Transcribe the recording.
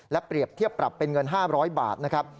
เปรียบเทียบปรับเป็นเงิน๕๐๐บาทนะครับ